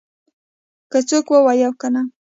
که څوک ووایي او کنه